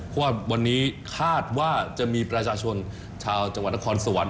เพราะว่าวันนี้คาดว่าจะมีประชาชนชาวจังหวัดนครสวรรค